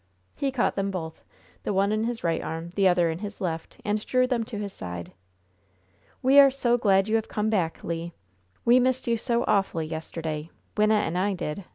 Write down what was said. He caught them both, the one in his right arm, the other in his left, and drew them to his side. "We are so glad you have come back, Le! We missed you so awfully yesterday Wynnette and I did!"